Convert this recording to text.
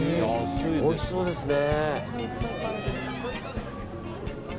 おいしそうですね。